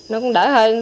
nó cũng đỡ hơn